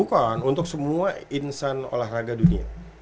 bukan untuk semua insan olahraga dunia